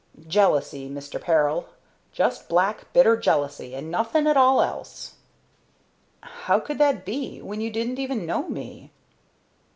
"Jealousy, Mister Peril. Just black, bitter jealousy, and nothing at all else." "How could that be, when you didn't even know me?"